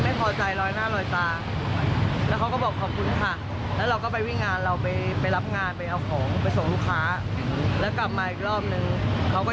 น้องโทรมาไลน์มามาหาตัวหนึ่งเนี่ยแหละ